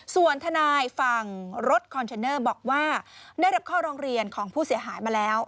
ส่วนทนายฝั่งรถคอนเทนเนอร์บอกว่าได้รับข้อร้องเรียนของผู้เสียหายมาแล้ว